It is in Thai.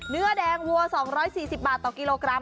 เนื้อแดงวัว๒๔๐บาทต่อกิโลกรัม